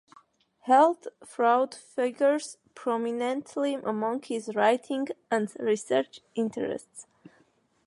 Health fraud figures prominently among his writing and research interests.